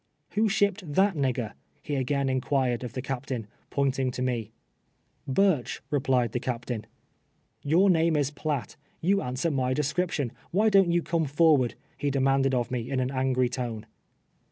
""Who shipped tJiat nigger?" he again inquired of the captain, pointing to me. " Burch," replied the captain. " Your name is Piatt — you answer mv description. Wliy don't you come forward ?" he demanded of me, in an angry tone.